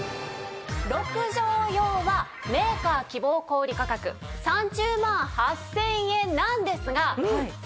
６畳用はメーカー希望小売価格３０万８０００円なんですが。